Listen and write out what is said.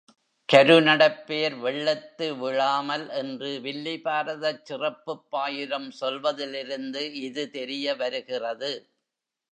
கருநடப்பேர் வெள்ளத்து விழாமல் என்று வில்லிபாரதச் சிறப்புப் பாயிரம் சொல்வதிலிருந்து இது தெரிய வருகிறது.